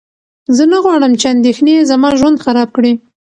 زه نه غواړم چې اندېښنې زما ژوند خراب کړي.